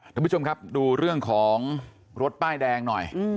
ท่านผู้ชมครับดูเรื่องของรถป้ายแดงหน่อย